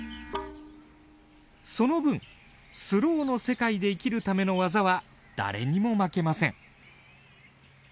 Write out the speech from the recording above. その分スローの世界で生きるための技は誰にも負けません。